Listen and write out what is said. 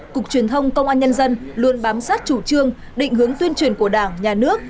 cục truyền thông công an nhân dân luôn bám sát chủ trương định hướng tuyên truyền của đảng nhà nước